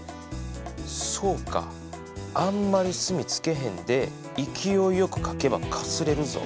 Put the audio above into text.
そうかあんまり墨つけへんで勢いよくかけばかすれるぞ。